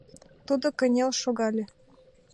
Тудо кынел шогале.